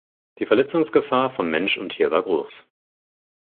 Die Verletzungsgefahr von Mensch und Tier war groß.